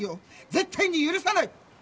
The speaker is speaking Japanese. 絶対に許さない！